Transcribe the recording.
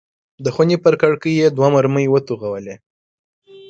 د خونې پر کړکۍ یې دوه مرمۍ وتوغولې.